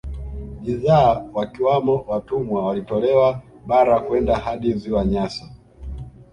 Bidhaa wakiwamo watumwa walitolewa bara kwenda hadi Ziwa Nyasa